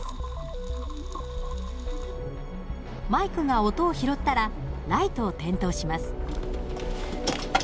マイクが音を拾ったらライトを点灯します。